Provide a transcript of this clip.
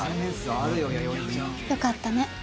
よかったね。